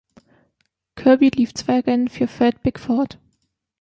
Kirby lief zwei Rennen für Fred Bickford.